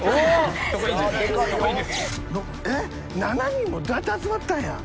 ７人もどうやって集まったんや。